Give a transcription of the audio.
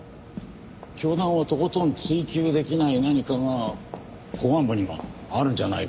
教団をとことん追及できない何かが公安部にはあるんじゃないか。